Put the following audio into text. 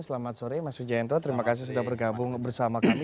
selamat sore mas wijayanto terima kasih sudah bergabung bersama kami